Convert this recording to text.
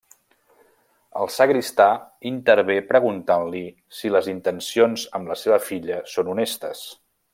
El sagristà intervé preguntant-li si les intencions amb la seua filla són honestes.